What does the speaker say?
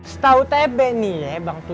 setahu tebe nih ya bang